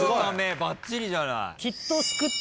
ばっちりじゃない。